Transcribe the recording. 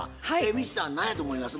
未知さん何やと思います？